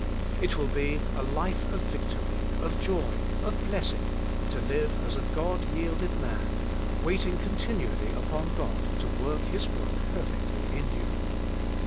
It will be a life of victory, of joy, of blessing, to live as a God yielded man, waiting continually upon God to work His work perfectly in you.